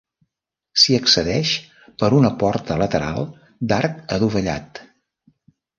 S'hi accedeix per una porta lateral d'arc adovellat.